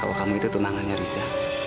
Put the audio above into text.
kalau kamu itu tunangannya riza